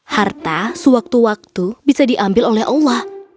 harta sewaktu waktu bisa diambil oleh allah